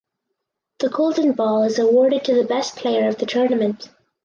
The "Golden Ball" is awarded to the best player of the tournament.